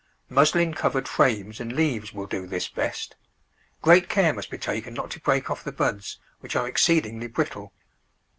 Muslin covered frames and leaves will do this best. Great care must be taken not to break off the buds, which are exceedingly brittle.